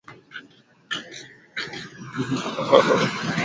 ili kupata mavuno mazuri ni vyema kupanda kwenye udongo wa tifutifu